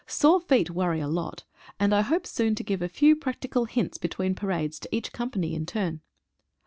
Sore feet worry a lot, and I hope soon to give a few practical hints between parades to each company in turn.